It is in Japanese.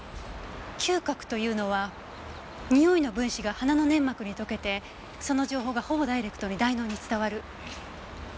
嗅覚というのはにおいの分子が鼻の粘膜に溶けてその情報がほぼダイレクトに大脳に伝わる。